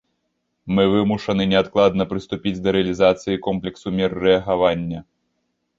Мы вымушаны неадкладна прыступіць да рэалізацыі комплексу мер рэагавання.